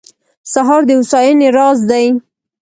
سهار د هوساینې راز دی.